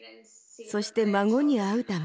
そして孫に会うため。